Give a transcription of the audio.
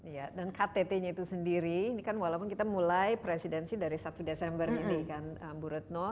iya dan ktt nya itu sendiri ini kan walaupun kita mulai presidensi dari satu desember ini kan bu retno